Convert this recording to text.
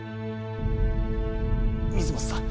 水本さん